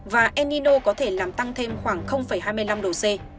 và enino có thể làm tăng thêm khoảng hai mươi năm độ c